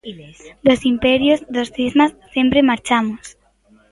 Dos imperios, dos cismas, sempre marchamos.